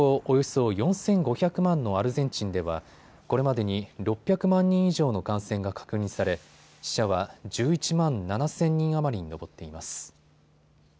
およそ４５００万のアルゼンチンではこれまでに６００万人以上の感染が確認され死者は１１万７０００人余りに上っています。